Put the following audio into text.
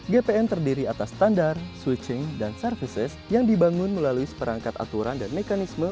gpn terdiri atas standar switching dan services yang dibangun melalui seperangkat aturan dan mekanisme